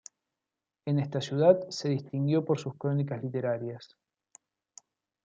En esta ciudad se distinguió por sus crónicas literarias.